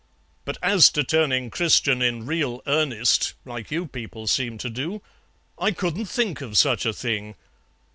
But as to turning Christian in real earnest, like you people seem to do, I couldn't think of such a thing.